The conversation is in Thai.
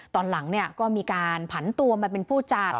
ตอนหลังก็มีการผันตัวมาเป็นผู้จัด